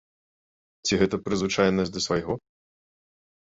Ці гэта прызвычаенасць да свайго?